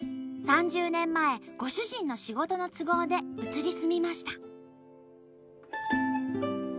３０年前ご主人の仕事の都合で移り住みました。